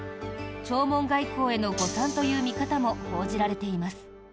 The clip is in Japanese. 弔問外交への誤算という見方も報じられています。